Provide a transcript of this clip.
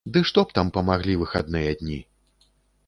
Ды што б там памаглі выхадныя дні?!